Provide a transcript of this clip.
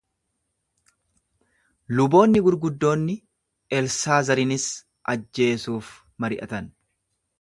Luboonni gurguddoonni Elsaazarinis ajjeesuuf mari’atan.